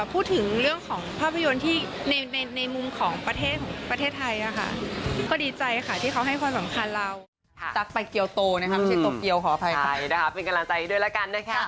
เป็นกำลังใจด้วยละกันด้วยค่ะ